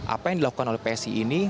apa yang dilakukan oleh psi ini